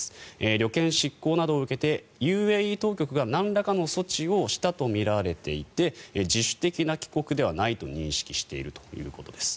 旅券失効などを受けてＵＡＥ当局がなんらかの措置をしたとみられていて自主的な帰国ではないと認識しているということです。